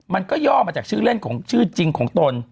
มันก็ย่อมาจากชื่อเล่นของชื่อจริงของตน